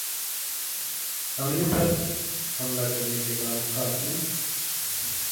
عملے پر حملہ کرنے کے بعد خاتون